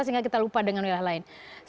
sehingga kita lupa dengan wilayah lain